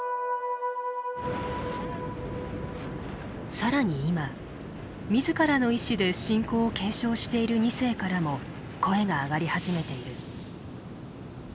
更に今自らの意思で信仰を継承している２世からも声が上がり始めている。